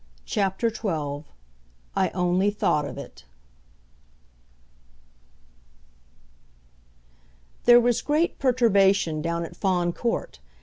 CHAPTER XII "I Only Thought of It" There was great perturbation down at Fawn Court.